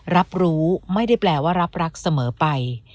รับรู้ไม่ได้แปลว่ารับรักเสมอไป